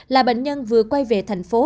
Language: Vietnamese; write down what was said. là bệnh nhân vừa quay về thành phố